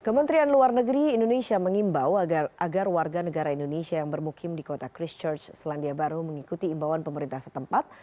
kementerian luar negeri indonesia mengimbau agar warga negara indonesia yang bermukim di kota christchurch selandia baru mengikuti imbauan pemerintah setempat